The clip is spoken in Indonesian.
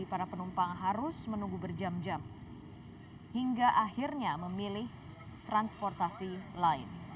para penumpang harus menunggu berjam jam hingga akhirnya memilih transportasi lain